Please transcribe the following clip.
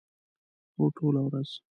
هو، ټوله ورځ